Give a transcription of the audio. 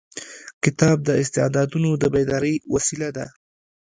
کتاب د استعدادونو د بیدارۍ وسیله ده.